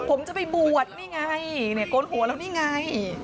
ผมจะไปบวชนี่ไงเนี่ยโกนหัวแล้วนี่ไง